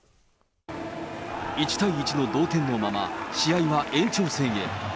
１対１の同点のまま、試合は延長戦へ。